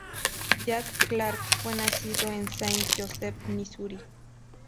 Jack Clark fue nacido en Saint Joseph, Misuri.